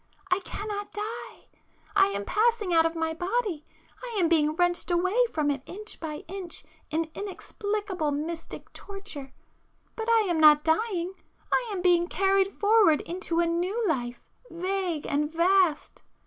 —I cannot die. I am passing out of my body,—I am being wrenched away from it inch by inch in inexplicable mystic torture,—but I am not dying,—I am being carried forward into a new life, vague and vast!